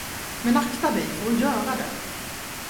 Men akta dig för att göra det!